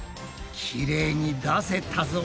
きれいに出せたぞ。